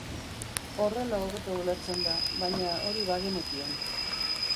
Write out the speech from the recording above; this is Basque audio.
Horrela hobeto ulertzen da, baina hori begenekien.